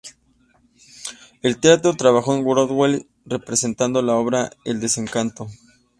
En teatro trabajó en Broadway, representando la obra "El desencantado".